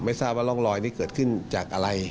ทราบว่าร่องรอยนี้เกิดขึ้นจากอะไร